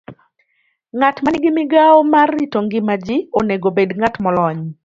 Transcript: Ng'at ma nigi migawo mar rito ngima ji onego obed ng'at molony